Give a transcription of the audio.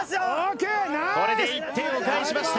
これで１点を返しました。